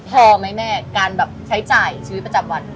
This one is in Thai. พอไหมแม่การแบบใช้จ่ายชีวิตประจำวัน